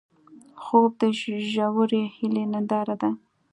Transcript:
خوب د ژورې هیلې ننداره ده